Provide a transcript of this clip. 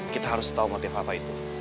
kita harus tahu motif apa itu